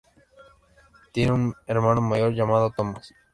Tiene un hermano mayor llamado Tomás.